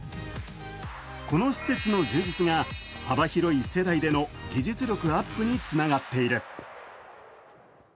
この施設の充実が幅広い世代での技術力アップにつながっている。